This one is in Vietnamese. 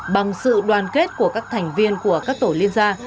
bằng sự đoàn kết của các thành viên của các tổ liên gia